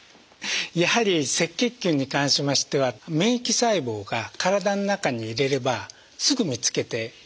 やはり赤血球に関しましては免疫細胞が体の中に入れればすぐ見つけて食べてしまうんですね。